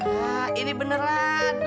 ya ini beneran